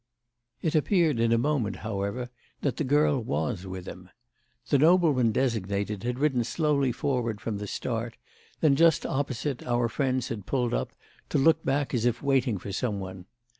It appeared in a moment, however, that the girl was with him. The nobleman designated had ridden slowly forward from the start, then just opposite our friends had pulled up to look back as if waiting for some one.